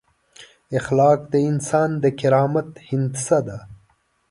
اخلاق د انسان د کرامت هندسه ده.